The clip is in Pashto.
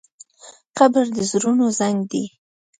قبر د زړونو زنګ دی.